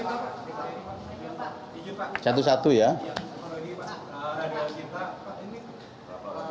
apakah juga terkait dengan surat dari maha presiden widi habibie kepada presiden jokowi